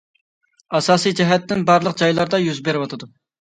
ئاساسىي جەھەتتىن بارلىق جايلاردا يۈز بېرىۋاتىدۇ.